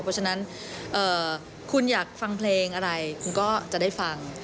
เพราะฉะนั้นคุณอยากฟังเพลงอะไรคุณก็จะได้ฟัง